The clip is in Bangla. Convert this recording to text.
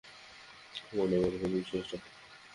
কাম অন, আমার উপর বিশ্বাস রাখো।